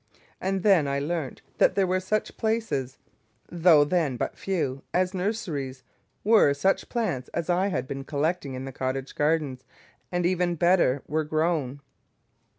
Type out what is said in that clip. And then I learnt that there were such places (though then but few) as nurseries, where such plants as I had been collecting in the cottage gardens, and even better, were grown.